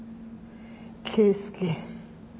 圭介。